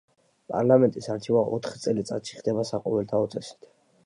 პარლამენტის არჩევა ოთხ წელიწადში ხდება საყოველთაო წესით.